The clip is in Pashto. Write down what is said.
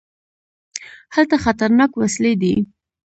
هلته خطرناکې وسلې دي.